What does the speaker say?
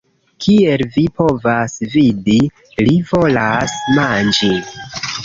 Kiel vi povas vidi, li volas manĝi